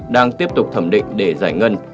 đang tiếp tục thẩm định để giải ngân